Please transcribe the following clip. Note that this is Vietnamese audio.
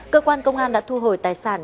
cơ quan công an đã thu hồi tài sản